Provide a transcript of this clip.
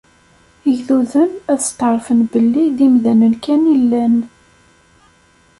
Igduden ad setɛeṛfen belli d imdanen kan i llan.